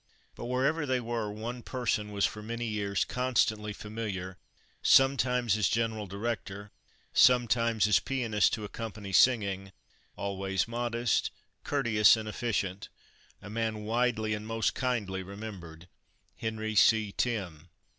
But, wherever they were, one person was for many years constantly familiar, sometimes as general director, sometimes as pianist to accompany singing, always modest, courteous, and efficient, a man widely and most kindly remembered Henry C. Timm.